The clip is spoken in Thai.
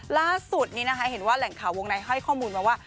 ล่าสุดนี้นะคะเห็นว่าแหล่งข่าววงในให้ข้อมูลมาว่า